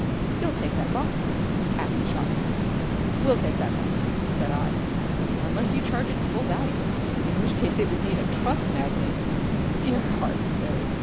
"You'll take that box?" asked the shopman. "We'll take that box," said I, "unless you charge its full value. In which case it would need a Trust Magnate " "Dear heart! NO!"